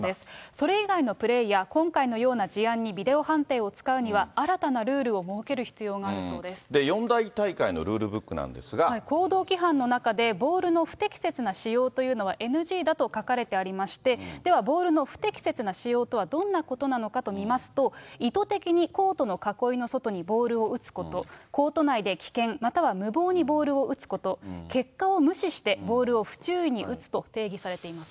それ以外のプレーや今回のような事案にビデオ判定を使うには、新たなルールを設ける必要があるそうで四大大会のルールブックなん行動規範の中で、ボールの不適切な使用というのはＮＧだと書かれてありまして、ではボールの不適切な使用とはどんなことなのかと見ますと、意図的にコートの囲いの外にボールを打つこと、コート内で危険、または無謀にボールを打つこと、結果を無視してボールを不注意に打つと定義されています。